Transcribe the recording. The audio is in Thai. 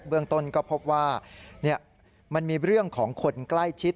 เรื่องต้นก็พบว่ามันมีเรื่องของคนใกล้ชิด